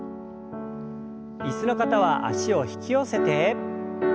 椅子の方は脚を引き寄せて。